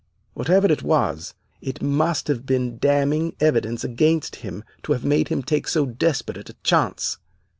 Whatever it was it must have been damning evidence against him to have made him take so desperate a chance.